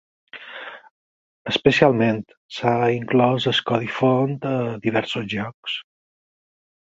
Especialment, s'ha inclòs el codi font a diversos jocs.